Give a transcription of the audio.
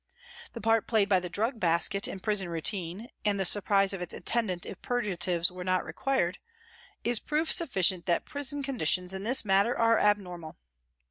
The part played by the drug basket in prison routine, and the surprise of its attendant if purgatives were not required, is proof 182 PRISONS AND PRISONERS sufficient that prison conditions in this matter are abnormal.